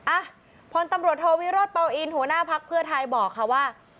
อ่ะพลตำรวจโทวิโรธเปล่าอินหัวหน้าภักดิ์เพื่อไทยบอกค่ะว่า